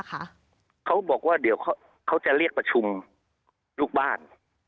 เขาบอกว่าเดี๋ยวเขาจะเรียกประชุมลูกบ้าน